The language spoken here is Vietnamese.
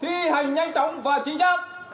đi hành nhanh chóng và chính xác